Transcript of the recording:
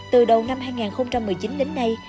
từ đầu năm hai nghìn một mươi chín đến nay